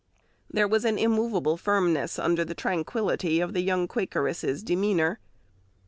There was an immovable firmness under the tranquillity of the young Quakeress's demeanour.